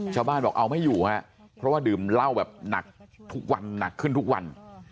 ชาวบ้านบอกเอาไม่อยู่ฮะเพราะว่าดื่มเหล้าแบบหนักทุกวันหนักขึ้นทุกวัน